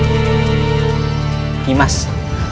bergantung dengan jurusan